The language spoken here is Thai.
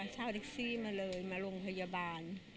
เช่าแท็กซี่มาเลยมาโรงพยาบาล